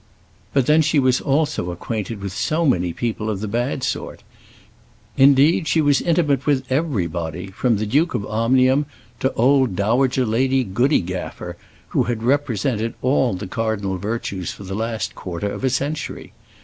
But then she was also acquainted with so many people of the bad sort. Indeed, she was intimate with everybody, from the Duke of Omnium to old Dowager Lady Goodygaffer, who had represented all the cardinal virtues for the last quarter of a century.